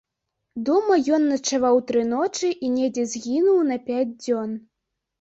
Дома ён начаваў тры ночы і недзе згінуў на пяць дзён.